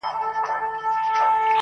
بيزو وان يې پر تخت كښېناوه پاچا سو،